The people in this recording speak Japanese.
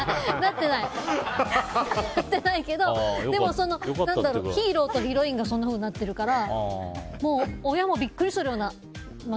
なってないけどヒーローとヒロインがそんなふうになってるからもう親もビックリするような。